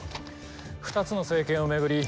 ２つの政権を巡り